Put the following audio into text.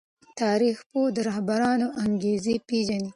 تاريخ پوه د رهبرانو انګېزې پېژني.